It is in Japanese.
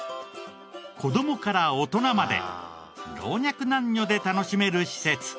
子供から大人まで老若男女で楽しめる施設。